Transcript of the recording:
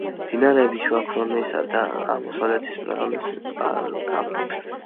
მდინარეების შუა ფრონისა და აღმოსავლეთის ფრონის წყალგამყოფზე.